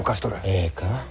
ええか？